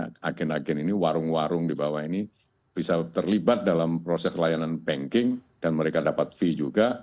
karena agen ini warung warung di bawah ini bisa terlibat dalam proses layanan banking dan mereka dapat fee juga